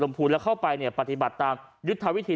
รมพูแล้วเข้าไปเนี่ยปรบปรัฏิบัติตามยึดทางวิธี